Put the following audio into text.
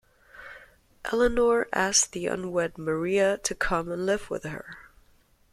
Eleanor asked the unwed Maria to come and live with her.